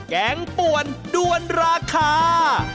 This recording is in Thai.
แกงป่วนด้วนราคา